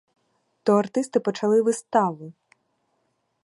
То артисти почали виставу.